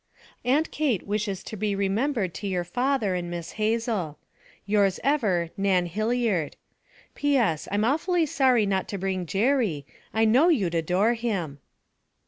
'Aunt Kate wishes to be remembered to your father and Miss Hazel. 'Yours ever, 'NAN HILLIARD. 'P.S. I'm awfully sorry not to bring Jerry; I know you'd adore him.'